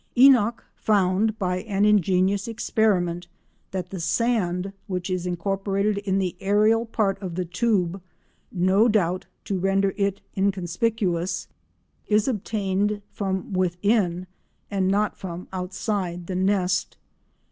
Enock found, by an ingenious experiment, that the sand which is incorporated in the aerial part of the tube—no doubt to render it inconspicuous—is obtained from within, and not from outside the nest.